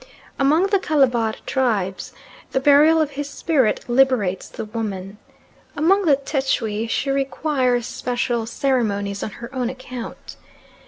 Among the Calabar tribes the burial of his spirit liberates the woman. Among the Tschwi she requires special ceremonies on her own account.